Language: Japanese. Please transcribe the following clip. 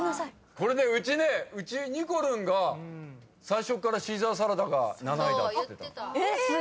これねうちねにこるんが最初から「シーザーサラダ」が７位だっつってた。